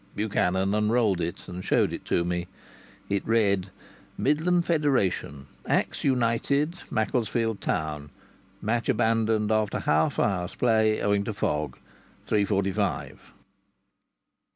Buchanan unrolled it and showed it to me. I read: "Midland Federation. Axe United, Macclesfield Town. Match abandoned after half hour's play owing to fog. Three forty five."